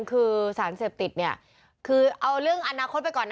คือสารเสพติดเนี่ยคือเอาเรื่องอนาคตไปก่อนนะ